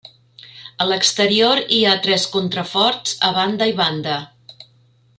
A l'exterior hi ha tres contraforts a banda i banda.